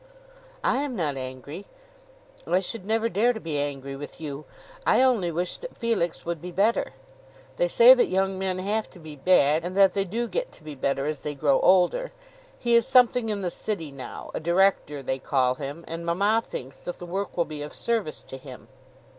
"I am not angry. I should never dare to be angry with you. I only wish that Felix would be better. They say that young men have to be bad, and that they do get to be better as they grow older. He is something in the city now, a director they call him, and mamma thinks that the work will be of service to him."